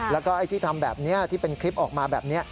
แล้วก็ไอ้ที่ทำแบบนี้ที่เป็นคลิปออกมาแบบนี้